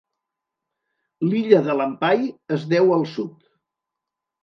L'illa de Lampay es deu al sud.